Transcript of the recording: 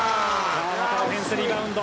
川真田オフェンスリバウンド。